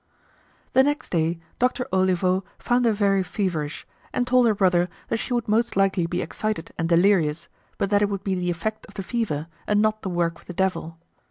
The next day Doctor Olivo found her very feverish, and told her brother that she would most likely be excited and delirious, but that it would be the effect of the fever and not the work of the devil.